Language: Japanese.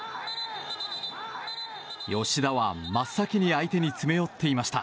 吉田は真っ先に相手に詰め寄っていました。